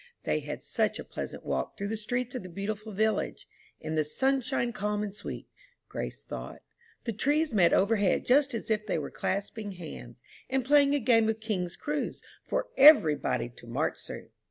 They had such a pleasant walk through the streets of the beautiful village, in the "sunshine, calm and sweet!" Grace thought the trees met overhead just as if they were clasping hands, and playing a game of "King's Cruise" for every body to "march through."